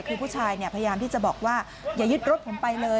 คือผู้ชายพยายามที่จะบอกว่าอย่ายึดรถผมไปเลย